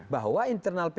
bahwa internal p tiga